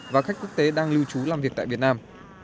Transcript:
và khách quốc tế đang lưu trú làm việc tại việt nam